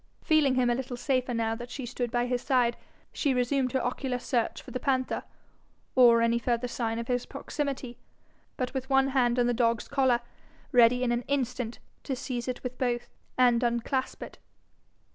Feeling him a little safer now that she stood by his side, she resumed her ocular search for the panther, or any further sign of his proximity, but with one hand on the dog's collar, ready in an instant to seize it with both, and unclasp it.